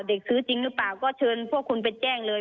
ซื้อจริงหรือเปล่าก็เชิญพวกคุณไปแจ้งเลย